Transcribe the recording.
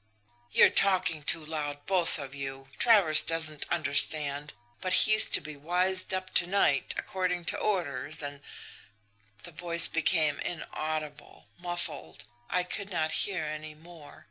"'You're talking too loud, both of you! Travers doesn't understand, but he's to be wised up to night, according to orders, and ' "The voice became inaudible, muffled I could not hear any more.